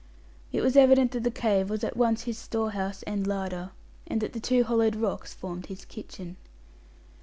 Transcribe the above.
It was evident that the cave was at once his storehouse and larder, and that the two hollowed rocks formed his kitchen.